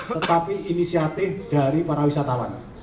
tetapi inisiatif dari para wisatawan